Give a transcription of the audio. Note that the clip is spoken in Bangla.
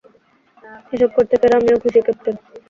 এসব করতে পেরে আমিও খুশি, ক্যাপ্টেন।